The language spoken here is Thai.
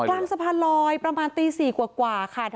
กลางสะพานลอยประมาณตี๔กว่าค่ะ